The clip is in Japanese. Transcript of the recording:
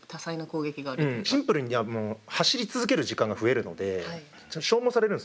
シンプルに走り続ける時間が増えるので消耗されるんですよね。